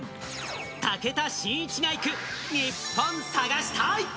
武田真一が行くニッポン探し隊！